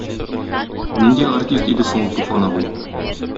Нинди артист иде соң ул Туфан абый?